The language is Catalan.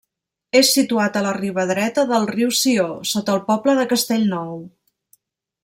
És situat a la riba dreta del riu Sió, sota el poble de Castellnou.